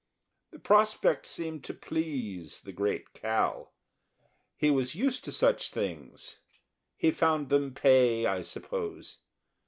The prospect seemed to please the great Cal. He was used to such things; he found them pay, I suppose.